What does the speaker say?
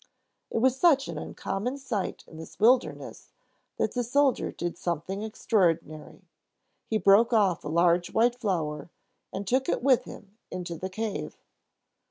It was such an uncommon sight in this wilderness that the soldier did something extraordinary. He broke off a large white flower and took it with him into the cave.